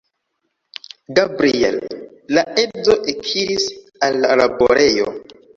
Gabriel, la edzo, ekiris al la laborejo.